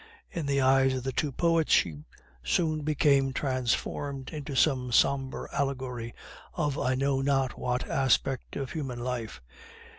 In the eyes of the two poets she soon became transformed into some sombre allegory, of I know not what aspect of human life.